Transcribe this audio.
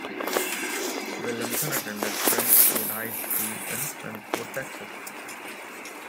Williamson attended Friendswood High School in Friendswood, Texas.